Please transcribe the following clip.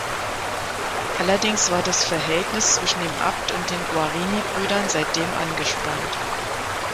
Allerdings war das Verhältnis zwischen dem Abt und den Guarini-Brüdern seitdem angespannt.